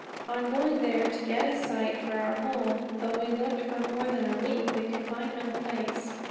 On going there to get a site for our home, though we looked for more than a week, we could find no place.